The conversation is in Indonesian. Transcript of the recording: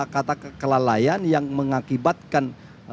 kata kelalaian yang mengakibatkan